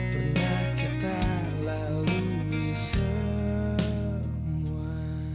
pernah kita lalui semua